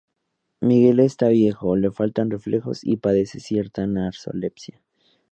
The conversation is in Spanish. Miguel está viejo, le faltan reflejos y padece cierta narcolepsia.